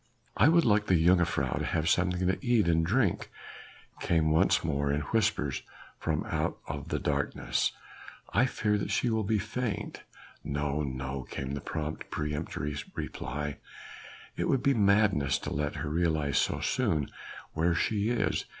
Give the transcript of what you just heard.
"I would like the jongejuffrouw to have something to eat and drink," came once more in whispers from out the darkness. "I fear that she will be faint!" "No! no!" came the prompt, peremptory reply, "it would be madness to let her realize so soon where she is.